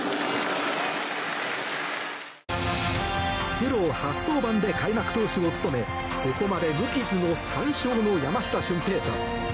プロ初登板で開幕投手を務めここまで無傷の３勝の山下舜平大。